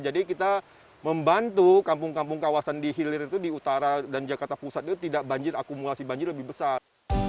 jadi kita membantu kampung kampung kawasan di hilir itu di utara dan jakarta pusat itu tidak banjir akumulasi banjir lebih besar